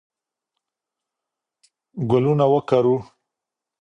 ګلونه وکرو.